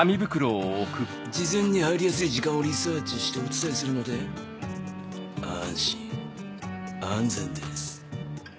事前に入りやすい時間をリサーチしてお伝えするので安心安全です。